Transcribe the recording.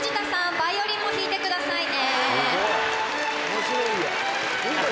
バイオリンも弾いてくださいね。